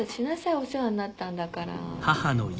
お世話になったんだから。